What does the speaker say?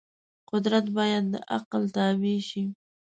قدرت باید د عقل تابع شي.